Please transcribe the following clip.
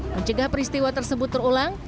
mencegah peristiwa tersebut terulang